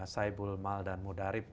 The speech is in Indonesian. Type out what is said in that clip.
saebul mal dan mudarip